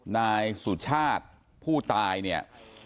นายสุชาติผู้ตายเนี่ย